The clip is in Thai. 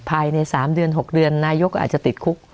ภายใน๓๖เดือนนายกอาจจะติดคุก